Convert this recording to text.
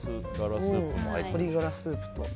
鶏ガラスープと。